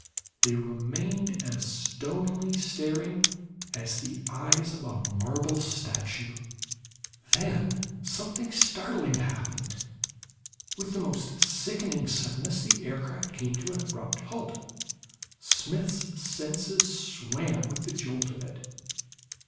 They remained as stonily staring as the eyes of a marble statue. Then something startling happened. With the most sickening suddenness the aircraft came to an abrupt halt. Smith's senses swam with the jolt of it.